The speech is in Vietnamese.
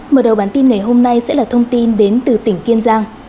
mở đầu bản tin ngày hôm nay sẽ là thông tin đến từ tỉnh kiên giang